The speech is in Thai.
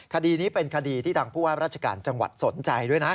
คดีนี้เป็นคดีที่ทางผู้ว่าราชการจังหวัดสนใจด้วยนะ